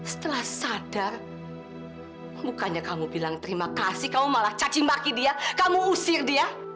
setelah sadar bukannya kamu bilang terima kasih kamu malah cacimaki dia kamu usir dia